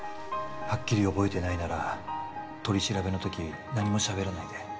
はっきり覚えてないなら取り調べの時何も喋らないで